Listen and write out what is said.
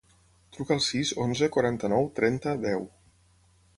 Truca al sis, onze, quaranta-nou, trenta, deu.